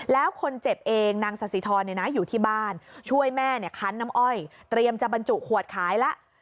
แล้วคนเจ็บเองนางสสิทรอยู่ที่บ้านช่วยแม่คันน้ำอ้อยเตรียมจะบรรจุขวดขายแล้ว